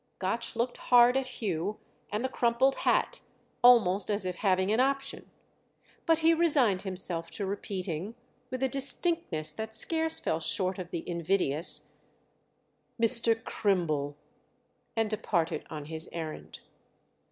Gotch looked hard at Hugh and the crumpled hat—almost as if having an option. But he resigned himself to repeating, with a distinctness that scarce fell short of the invidious, "Mr. Crimble," and departed on his errand.